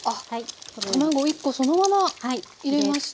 卵１コそのまま入れました。